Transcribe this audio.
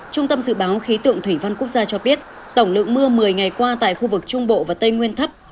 trung tâm dự báo khí tượng thủy văn quốc gia cho biết tổng lượng mưa một mươi ngày qua tại khu vực trung bộ và tây nguyên thấp